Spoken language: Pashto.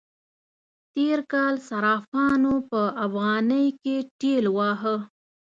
تېر کال صرافانو په افغانی کې ټېل واهه.